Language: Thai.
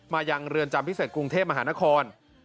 ยังเรือนจำพิเศษกรุงเทพมหานคร